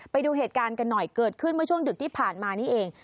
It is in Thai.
ไปดูเหตุการณ์กันหน่อยเกิดขึ้นเมื่อช่วงดึกที่ผ่านมานี่เอง